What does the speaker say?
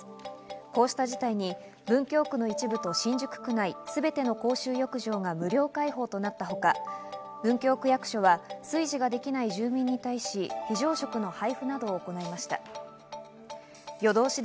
こうした事態に文京区の一部と新宿区内、全ての公衆浴場が無料開放となったほか、文京区役所は炊事ができない住民に対し、非常食の配布などを行いました。